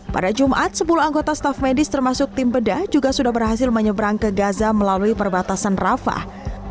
pada jumat sepuluh anggota staf medis termasuk tim bedah juga sudah berhasil menyeberang ke gaza melalui perbatasan rafah